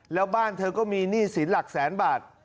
แล้วบ้านเธอก็มีหนี้สินหลักแสนบาท